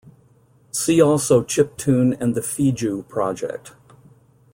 See also chiptune and the Fijuu project.